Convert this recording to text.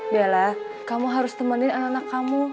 bella kamu harus temenin anak anak kamu